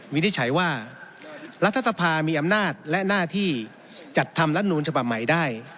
นิจฉัยว่ารัฐสภามีอำนาจและหน้าที่จัดทำรัฐนูลฉบับใหม่ได้